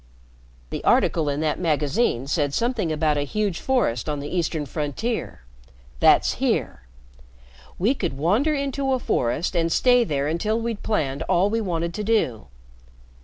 "The article in that magazine said something about a huge forest on the eastern frontier. That's here. We could wander into a forest and stay there until we'd planned all we wanted to do.